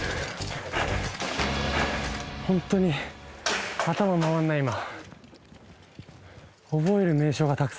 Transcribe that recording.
ホントに頭回らない今。